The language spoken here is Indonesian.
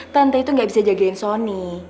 tente itu gak bisa jagain sony